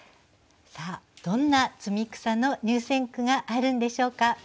さあどんな「摘草」の入選句があるんでしょうか？